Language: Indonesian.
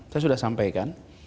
saya sudah sampaikan